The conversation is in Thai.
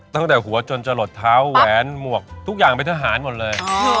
ตั้งแต่หัวจนจะหลดเท้าแหวนหมวกทุกอย่างเป็นทหารหมดเลย